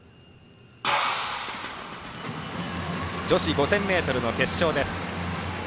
女子５０００ｍの決勝です。